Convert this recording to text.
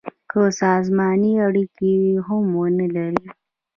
که سازماني اړیکي هم ونه لري.